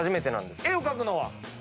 絵を描くのは？